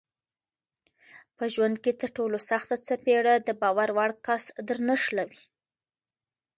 په ژوند کې ترټولو سخته څپېړه دباور وړ کس درنښلوي